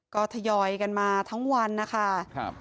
ก็ทยอยกันมาทั้งวันนะคะ